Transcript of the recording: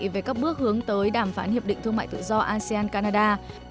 về các bước hướng tới đàm phán hiệp định thương mại tự do asean canada